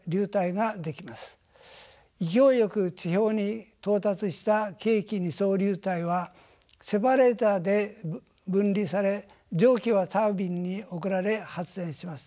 勢いよく地表に到達した気液二相流体はセパレーターで分離され蒸気はタービンに送られ発電します。